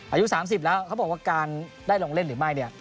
อายุ๓๐แล้วเขาบอกว่าการได้ลงเล่นหรือไม่เนี่ย